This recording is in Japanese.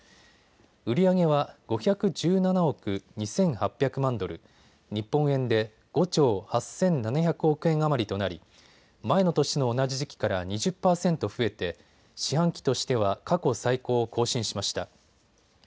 売り上げは５１７億２８００万ドル、日本円で５兆８７００億円余りとなり前の年の同じ時期から２０％増えて四半期としては過去最高を更新しました。